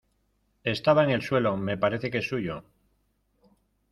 estaba en el suelo. me parece que es suyo .